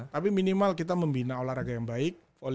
tapi minimal kita membina olahraga yang baik